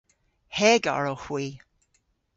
Hegar owgh hwi.